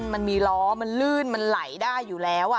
มันมีล้อมันลื่นมันไหลได้อยู่แล้ว